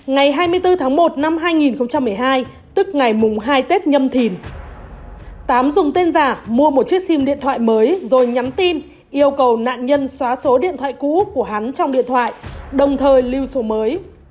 ngày hai mươi bốn tháng một năm hai nghìn một mươi hai tức ngày mùng hai tết nhâm thìn tám dùng tên giả mua một chiếc sim điện thoại mới rồi nhắn tin yêu cầu nạn nhân xóa số điện thoại cũ của hắn trong điện thoại đồng thời lưu số mới